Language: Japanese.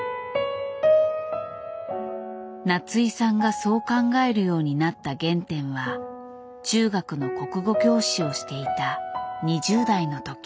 夏井さんがそう考えるようになった原点は中学の国語教師をしていた２０代のとき。